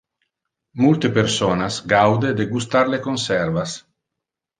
Multe personas gaude de gustar le conservas.